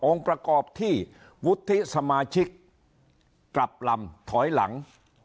ประกอบที่วุฒิสมาชิกกลับลำถอยหลัง